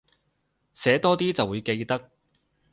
寫多啲就會記得